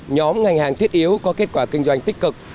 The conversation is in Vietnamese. nhóm ngành hàng thiết yếu có kết quả kinh doanh tích cực